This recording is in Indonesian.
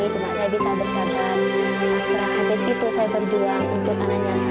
saya bisa bersama saya berjuang untuk anaknya